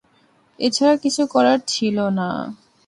এছাড়া কিছু করার ছিল না।